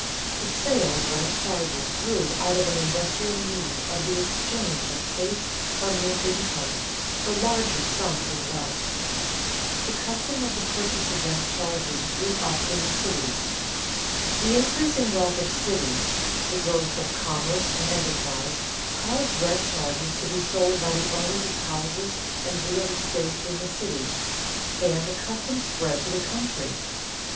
_The sale of rent charges grew out of an industrial need of the exchange of safe permanent incomes for larger sums of wealth._ The custom of the purchase of rent charges grew up in the cities. The increasing wealth of cities, the growth of commerce and enterprise, caused rent charges to be sold by the owners of houses and real estate in the cities, and the custom spread to the country.